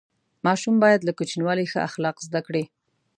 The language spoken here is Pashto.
ماشوم باید له کوچنیوالي ښه اخلاق زده کړي.